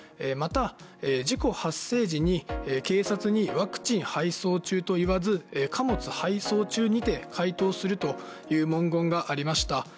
また事故発生時に警察にワクチン配送中と言わず貨物配送中にて回答するという文言がありました